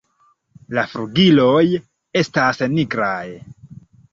La flugiloj estas nigraj.